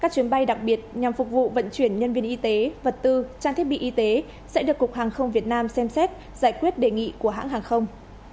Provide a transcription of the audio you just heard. các chuyến bay đặc biệt nhằm phục vụ vận chuyển nhân viên y tế vật tư trang thiết bị y tế sẽ được cục hàng không việt nam xem xét giải quyết đề nghị của hãng hàng không